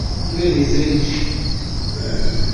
tetemeko hilo lenye ukubwa wa richta nane nukta tisa